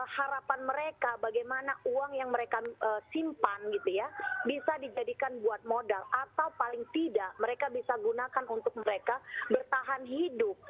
harapan mereka bagaimana uang yang mereka simpan gitu ya bisa dijadikan buat modal atau paling tidak mereka bisa gunakan untuk mereka bertahan hidup